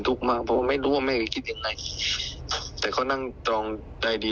อยู่สถานะแบบนี้อ่ะมันจะเป็นทุกข์ก็เลยต้องออกห่างก่อน